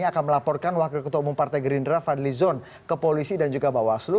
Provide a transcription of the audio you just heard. akan melaporkan wakil ketua umum partai gerindra fadli zon ke polisi dan juga bawaslu